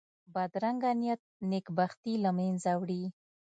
بدرنګه نیت نېک بختي له منځه وړي